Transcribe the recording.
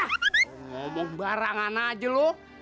ngomong barangan aja lu